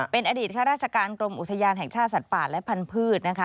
เป็นอดีตข้าราชการกรมอุทยานแห่งชาติสัตว์ป่าและพันธุ์นะคะ